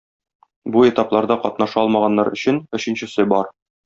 Бу этапларда катнаша алмаганнар өчен өченчесе бар.